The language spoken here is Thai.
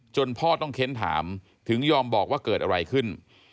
พ่อต้องเค้นถามถึงยอมบอกว่าเกิดอะไรขึ้น